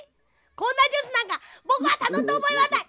こんなジュースなんかぼくはたのんだおぼえはない！